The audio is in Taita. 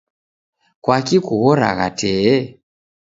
Kwaki kughoragha tee?